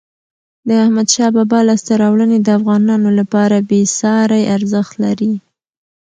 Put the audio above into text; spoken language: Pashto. د احمد شاه بابا لاسته راوړني د افغانانو لپاره بېساری ارزښت لري.